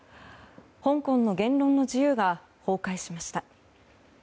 香港の言論の自由が崩壊しました。